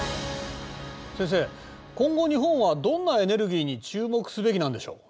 先生今後日本はどんなエネルギーに注目すべきなんでしょう？